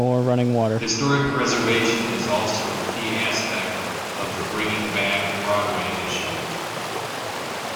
Historic preservation is also a key aspect of the Bringing Back Broadway initiative.